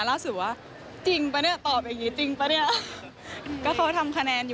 ว่าเกลียดจริงปะเนี่ย